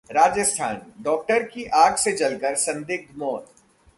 Rajasthan doctor की आग से जलकर संदिग्ध मौत